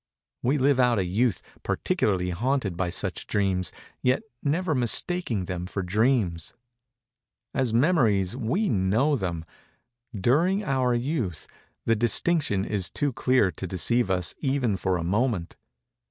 We live out a Youth peculiarly haunted by such dreams; yet never mistaking them for dreams. As Memories we know them. During our Youth the distinction is too clear to deceive us even for a moment.